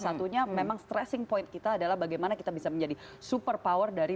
satunya memang stressing point kita adalah bagaimana kita bisa menjadi super power dari